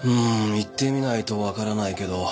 行ってみないと分からないけど。